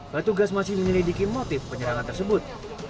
patugas masih menelidiki motif penyerangan tersebut